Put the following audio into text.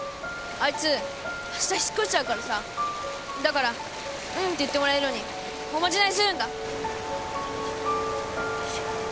あいつあした引っ越しちゃうからさだから「うん」って言ってもらえるようにおまじないするんだ。